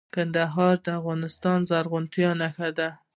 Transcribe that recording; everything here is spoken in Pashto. کندهار د افغانستان د زرغونتیا نښه ده.